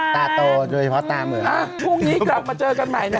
ตาโตด้วยเพราะตาเหมือนกลับมาเจอกันใหม่นะคะ